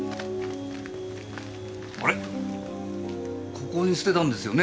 ここに捨てたんですよね？